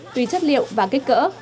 tuy chất liệu và kích cỡ